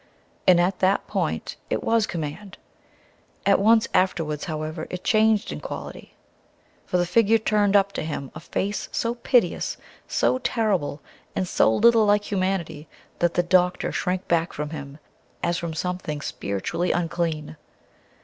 And at that point, it was command. At once afterwards, however, it changed in quality, for the figure turned up to him a face so piteous, so terrible and so little like humanity, that the doctor shrank back from him as from something spiritually unclean.